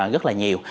rất là nhiều